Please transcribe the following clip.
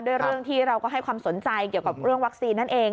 เรื่องที่เราก็ให้ความสนใจเกี่ยวกับเรื่องวัคซีนนั่นเอง